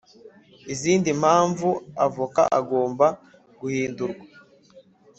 izindi mpamvu avoka agomba guhindurwa